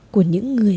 của những người